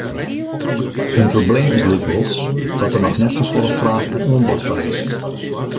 In probleem is lykwols dat der noch net safolle fraach en oanbod foar is.